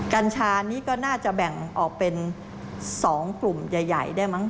กัญชานี้ก็น่าจะแบ่งออกเป็น๒กลุ่มใหญ่ได้มั้